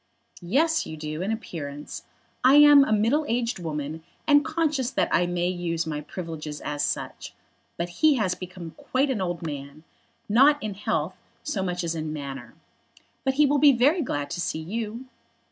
"Yes, you do, in appearance. I am a middle aged woman, and conscious that I may use my privileges as such. But he has become quite an old man, not in health so much as in manner. But he will be very glad to see you."